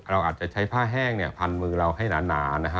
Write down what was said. เราอาจจะใช้ผ้าแห้งเนี่ยพันมือเราให้หนานะฮะ